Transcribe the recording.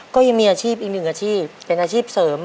ก็ยังมีอาชีพอีกหนึ่งอาชีพเป็นอาชีพเสริม